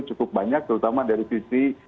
cukup banyak terutama dari sisi